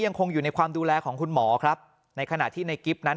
ยังคงอยู่ในความดูแลของคุณหมอครับในขณะที่ในกิฟต์นั้น